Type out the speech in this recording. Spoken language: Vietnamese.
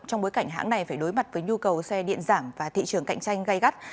trong bối cảnh hãng này phải đối mặt với nhu cầu xe điện giảm và thị trường cạnh tranh gây gắt